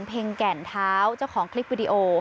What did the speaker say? เพ็งแก่นเท้าเจ้าของคลิปวิดีโอ